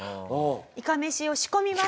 いかめしを仕込みます。